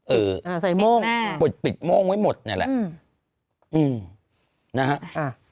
เอออ่าใส่โม่งอ่าปดปิดโม่งไว้หมดเนี่ยแหละอืมนะฮะอ่า